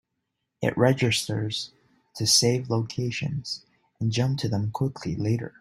It registers to save locations and jump to them quickly later.